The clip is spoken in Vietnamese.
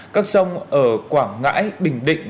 các sông ở quảng ngãi bình định